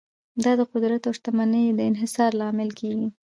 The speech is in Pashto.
دا د قدرت او شتمنۍ د انحصار لامل کیږي.